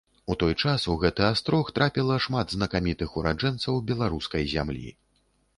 У той час у гэты астрог трапіла шмат знакамітых ураджэнцаў беларускай зямлі.